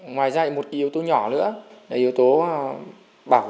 ngoài ra một yếu tố nhỏ nữa là yếu tố bảo